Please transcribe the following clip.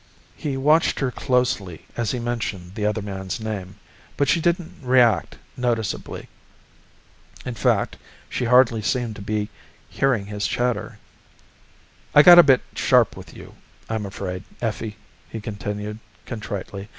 He watched her closely as he mentioned the other man's name, but she didn't react noticeably. In fact, she hardly seemed to be hearing his chatter. "I got a bit sharp with you, I'm afraid, Effie," he continued contritely.